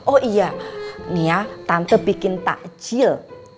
oh iya nia tante bikin takjil